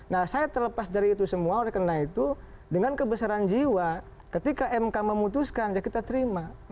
nah saya terlepas dari itu semua oleh karena itu dengan kebesaran jiwa ketika mk memutuskan ya kita terima